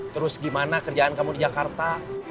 terus gimana kerjaan kamu di jakarta